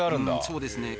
そうですね。